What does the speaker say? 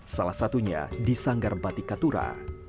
salah satunya di sanggar batik katura